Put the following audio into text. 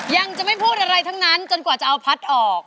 ยังจะไม่พูดอะไรทั้งนั้นจนกว่าจะเอาพัดออก